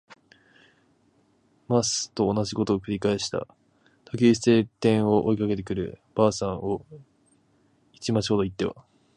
ます。」とおなじことを「くり返していた。」と記述している点を、追いかけてくる婆さんを一町ほど行っては